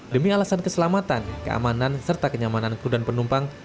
demi alasan keselamatan keamanan serta kenyamanan kudaan penumpang